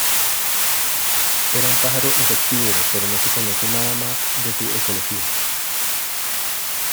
Era un pájaro insectívoro pero no se conoce nada más de su ecología.